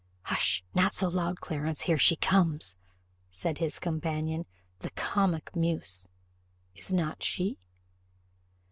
"Hush not so loud, Clarence; here she comes," said his companion. "The comic muse, is not she